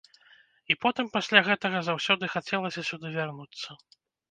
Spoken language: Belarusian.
І потым пасля гэтага заўсёды хацелася сюды вярнуцца.